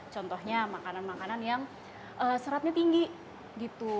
contohnya makanan makanan yang seratnya tinggi gitu